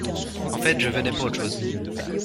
En fait, je venais pour autre chose.